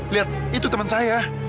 lihat itu temen saya